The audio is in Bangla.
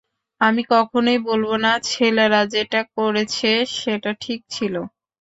আমি কখনোই বলবো না ছেলেরা যেটা করেছে সেটা ঠিক ছিল।